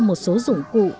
một số dụng cụ